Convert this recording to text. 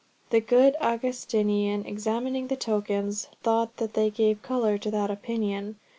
The good Augustinian, examining the tokens, thought they gave colour to that opinion.